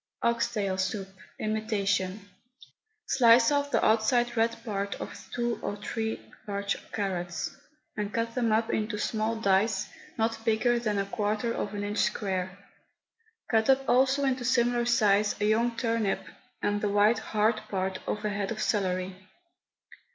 OX TAIL SOUP, IMITATION. Slice off the outside red part of two or three large carrots, and cut them up into small dice not bigger than a quarter of an inch square. Cut up also into similar size a young turnip, and the white, hard part of a head of celery.